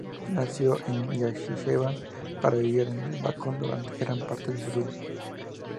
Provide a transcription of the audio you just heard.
Nació en Najicheván pero vivió en Bakú durante gran parte de su vida.